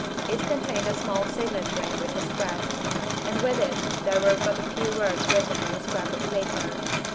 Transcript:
It contained a small signet ring with his crest, and with it there were but a few words written on a scrap of paper.